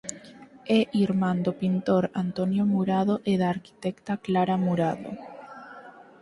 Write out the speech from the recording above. É irmán do pintor Antonio Murado e da arquitecta Clara Murado.